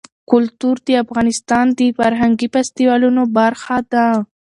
کلتور د افغانستان د فرهنګي فستیوالونو برخه ده.